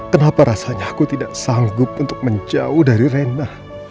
kenapa rasanya aku tidak sanggup untuk menjauh dari rena